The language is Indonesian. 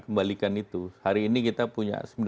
kembalikan itu hari ini kita punya